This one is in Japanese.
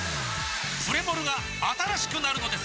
プレモルが新しくなるのです！